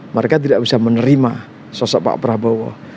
mereka tidak bisa menerima sosok pak prabowo